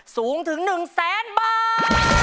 สูงถึงหนึ่งแสนบาท